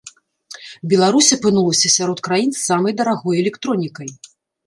Беларусь апынулася сярод краін з самай дарагой электронікай.